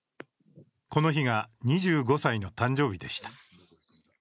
この日が２５歳の誕生日でした。